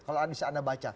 kalau bisa anda baca